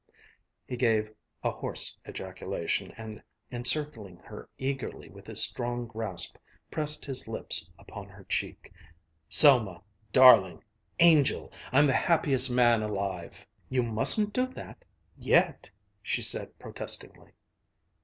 He gave a hoarse ejaculation, and encircling her eagerly with his strong grasp pressed his lips upon her cheek. "Selma! darling! angel! I'm the happiest man alive." "You mustn't do that yet," she said protestingly.